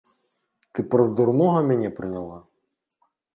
Ты праз дурнога мяне прыняла!